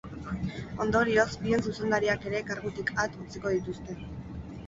Ondorioz, bion zuzendariak ere kargutik at utziko dituzte.